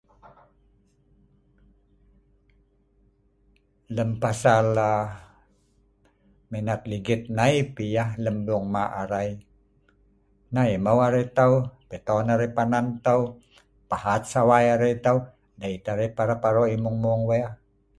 Lem pasal aa.. menot ligit nei p yeh lem bung mak arei neh emau arei tau peton arei panan tau pahat sawai arei tau dei teh arei parap arok yeh mung-mung weh